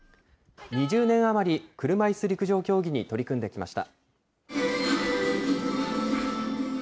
２０年余り、車いす陸上競技に取り組んできました。